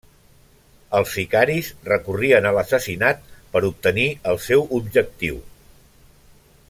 Els sicaris recorrien a l'assassinat per obtenir el seu objectiu.